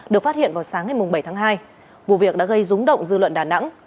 được phát hiện vào sáng ngày bảy tháng hai vụ việc đã gây rúng động dư luận đà nẵng